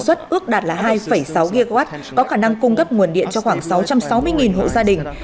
ước đạt là hai sáu gigawatt có khả năng cung cấp nguồn điện cho khoảng sáu trăm sáu mươi hộ gia đình